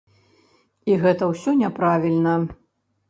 І гэта ўсё няправільна.